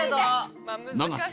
永瀬